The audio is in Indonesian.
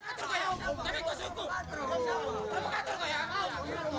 keturkan yang hukum tapi itu suku